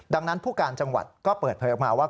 ดังนั้นผู้การจังหวัดก็เปิดเผยออกมาว่า